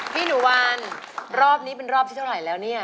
พี่หนูวันรอบนี้เป็นรอบที่เท่าไหร่แล้วเนี่ย